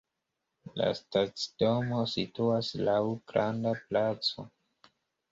La stacidomo situas laŭ granda placo.